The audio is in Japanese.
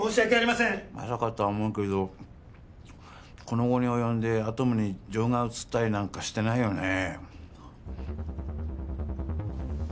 まさかとは思うけどこの期に及んでアトムに情が移ったりなんかしてないよね？